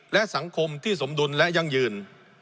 และสังคมที่สมดุลและยั่งยืน